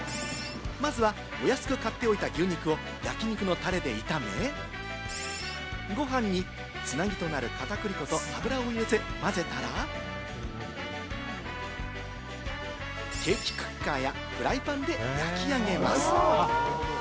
まずは、お安く買っておいた牛肉を焼き肉のタレで炒め、ご飯に繋ぎとなる片栗粉と油を入れて混ぜたら、ケーキクッカーやフライパンで焼き上げます。